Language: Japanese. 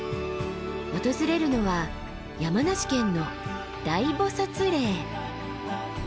訪れるのは山梨県の大菩嶺。